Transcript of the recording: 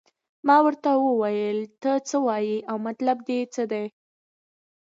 ما ورته وویل ته څه وایې او مطلب دې څه دی.